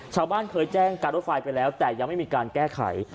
ชาวบ้านเคยแจ้งการรถไฟไปแล้วแต่ยังไม่มีการแก้ไข